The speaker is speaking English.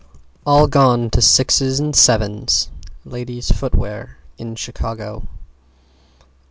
All gone to 6's and 7's Ladies' Footwear in Chicago.